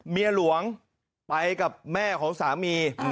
เมียหลวงไปกับแม่ของสามี